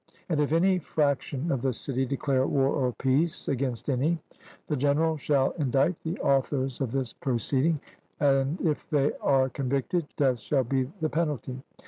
And if any fraction of the city declare war or peace against any, the generals shall indict the authors of this proceeding, and if they are convicted death shall be the penalty.